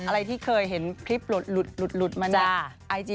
อะไรที่เคยเห็นคลิปหลุดมาเนี่ย